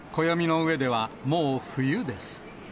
暦の上ではもう冬です。